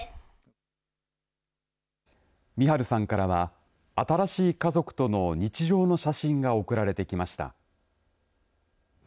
ミハルさんからは新しい家族との日常の写真が送られてきました。